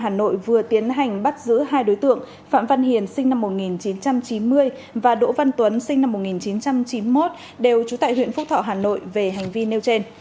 hà nội vừa tiến hành bắt giữ hai đối tượng phạm văn hiền sinh năm một nghìn chín trăm chín mươi và đỗ văn tuấn sinh năm một nghìn chín trăm chín mươi một đều trú tại huyện phúc thọ hà nội về hành vi nêu trên